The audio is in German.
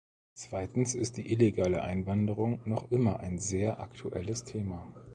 Zweitens ist die illegale Einwanderung noch immer ein sehr aktuelles Thema.